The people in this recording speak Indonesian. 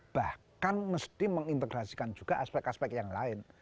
bahkan mesti mengintegrasikan juga aspek aspek yang lain